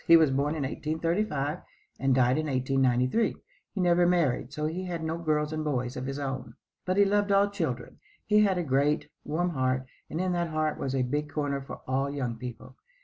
He was born in 1835 and died in 1893. He never married, so he had no girls and boys of his own. But he loved all children. He had a great, warm heart, and in that heart was a big corner for all young people.